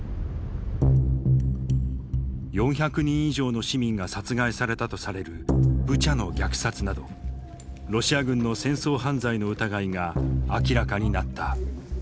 ４００人以上の市民が殺害されたとされるブチャの虐殺などロシア軍の戦争犯罪の疑いが明らかになった。